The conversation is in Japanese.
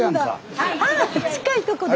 あ近いとこで！